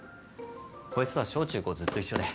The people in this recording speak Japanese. こいつとは小・中・高ずっと一緒で。